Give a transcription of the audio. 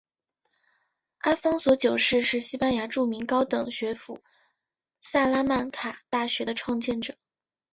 阿方索九世是西班牙著名高等学府萨拉曼卡大学的创建者。